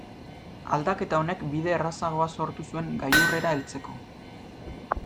Aldaketa honek bide errazagoa sortu zuen gailurrera heltzeko.